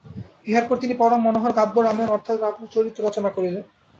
ইহার পর তিনি পরম মনোহর কাব্য রামায়ণ অর্থাৎ রামচরিত রচনা করিলেন।